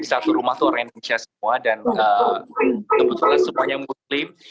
di satu rumah itu orang indonesia semua dan kebetulan semuanya muslim